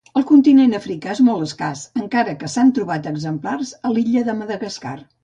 Al continent Africà és molt escàs encara que s'han trobat exemplars a l'illa de Madagascar.